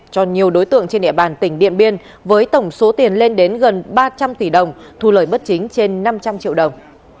cho nhiều đối tượng trên địa bàn tỉnh điện biên với tổng số tiền lên đến gần ba trăm linh tỷ đồng thu lời bất chính trên năm trăm linh triệu đồng